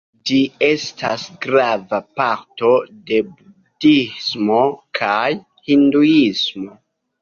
Ĝi estas grava parto de budhismo kaj hinduismo.